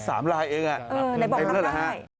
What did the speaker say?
เออไหนบอกล่างด้านหลังได้ไหมครับเป็นแล้วนะฮะ